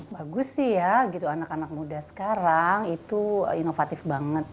bagus sih ya gitu anak anak muda sekarang itu inovatif banget